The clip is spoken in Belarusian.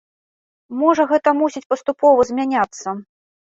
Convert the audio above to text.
Можа, гэта мусіць паступова змяняцца.